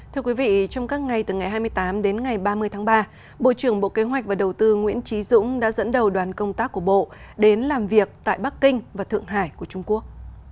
thưa quý vị trong các ngày từ ngày hai mươi tám đến ngày ba mươi tháng ba bộ trưởng bộ kế hoạch và đầu tư nguyễn trí dũng đã dẫn đầu đoàn công tác của bộ đến làm việc tại bắc kinh và thượng hải của trung quốc